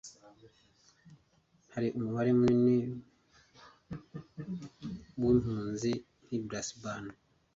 ahari umubare munini w'impunzi nk'i Brisbane